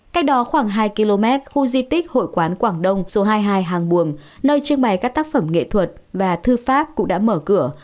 cách đó khoảng hai km khu di tích hội quán quảng đông số hai mươi hai hàng buồm nơi trưng bày các tác phẩm nghệ thuật và thư pháp cũng đã mở cửa